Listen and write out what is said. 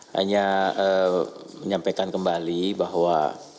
hanya menyampaikan kembali bahwa